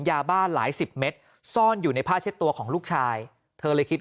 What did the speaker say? ยาบ้าหลายสิบเมตรซ่อนอยู่ในผ้าเช็ดตัวของลูกชายเธอเลยคิดว่า